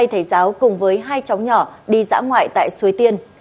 hai thầy giáo cùng với hai cháu nhỏ đi dã ngoại tại suối tiên